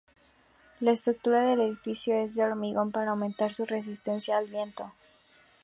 La estructura del edificio es de hormigón para aumentar su resistencia al viento.